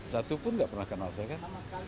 satupun tidak pernah kenal saya kan